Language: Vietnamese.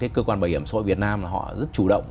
cơ quan bảo hiểm xã hội việt nam họ rất chủ động